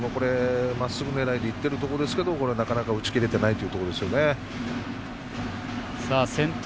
まっすぐでいっているところですけどなかなか打ちきれてないというところですよね。